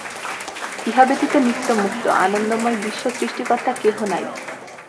ইহা ব্যতীত নিত্যমুক্ত, আনন্দময় বিশ্ব-সৃষ্টিকর্তা কেহ নাই।